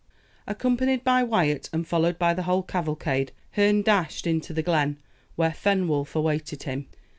Accompanied by Wyat, and followed by the whole cavalcade, Herne dashed into the glen, where Fenwolf awaited him.